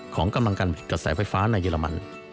ของกำลังการกระแสไฟฟ้าในเรมัน